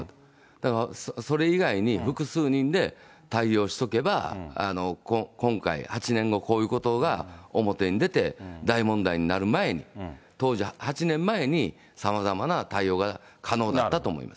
だからそれ以外に複数人で対応しとけば、今回、８年後、こういうことが表に出て、大問題になる前に、当時、８年前にさまざまな対応が可能だったと思います。